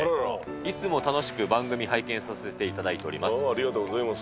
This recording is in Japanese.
いつも楽しく番組拝見させていたありがとうございます。